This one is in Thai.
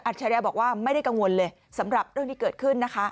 ฉริยะบอกว่าไม่ได้กังวลเลยสำหรับเรื่องที่เกิดขึ้นนะคะ